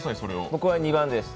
僕は２番です。